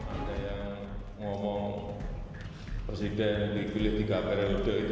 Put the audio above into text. ada yang ngomong presiden dipilih tiga periode itu